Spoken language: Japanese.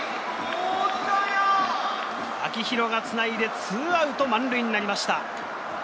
秋広がつないで、２アウト満塁になりました。